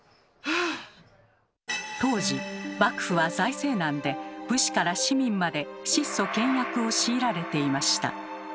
当時幕府は財政難で武士から市民まで質素倹約を強いられていました。